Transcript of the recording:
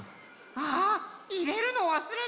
あっいれるのわすれちゃった！